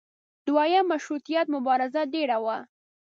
دویم مشروطیت مبارزه ډېره وه.